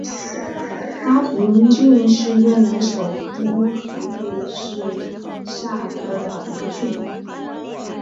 巴亭郡是越南首都河内市下辖的一个郡。